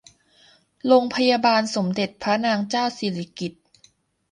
โรงพยาบาลสมเด็จพระนางเจ้าสิริกิติ์